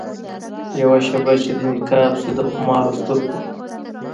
یوه شېبه چي دي نقاب سي د خمارو سترګو